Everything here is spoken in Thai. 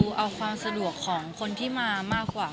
เอาความสะดวกของคนที่มามากกว่า